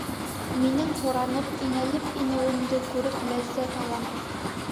Минең һоранып, инәлеп инеүемде күреп ләззәт ала.